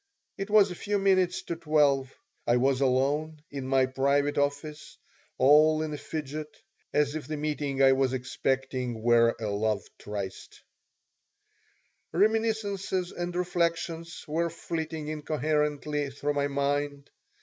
It was a few minutes to 12. I was alone in my private office, all in a fidget, as if the meeting I was expecting were a love tryst. Reminiscences and reflections were flitting incoherently through my mind.